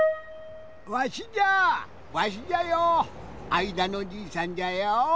あいだのじいさんじゃよ！